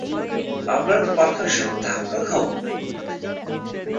আমরা তো পাথরের সাথে ধাক্কা খাবো!